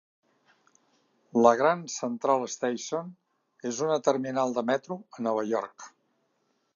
La Grand Central Station és una terminal de metro a Nova York.